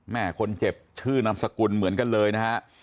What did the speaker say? แม่คนเจ็บชื่อนามสกุลเหมือนกันเลยนะฮะ